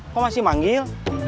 kok masih manggil